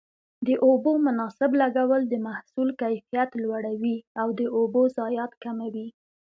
د اوبو مناسب لګول د محصول کیفیت لوړوي او د اوبو ضایعات کموي.